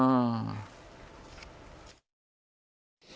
อ้าว